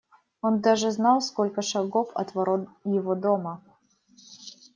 Он даже знал, сколько шагов от ворот его дома.